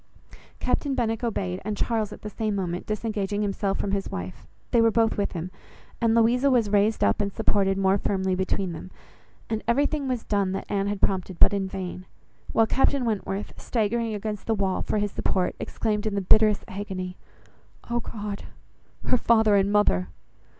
Captain Benwick obeyed, and Charles at the same moment, disengaging himself from his wife, they were both with him; and Louisa was raised up and supported more firmly between them, and everything was done that Anne had prompted, but in vain; while Captain Wentworth, staggering against the wall for his support, exclaimed in the bitterest agony— "Oh God! her father and mother!"